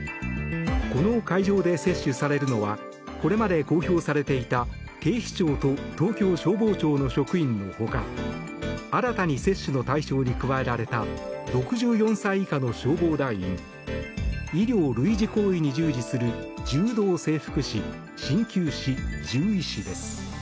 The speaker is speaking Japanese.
この会場で接種されるのはこれまで公表されていた警視庁と東京消防庁の職員の他新たに接種の対象に加えられた６４歳以下の消防団員医療類似行為に従事する柔道整復師鍼灸師、獣医師です。